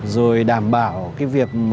rồi đảm bảo cái việc